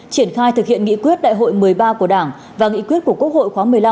triển khai thực hiện nghị quyết đại hội một mươi ba của đảng và nghị quyết của quốc hội khóa một mươi năm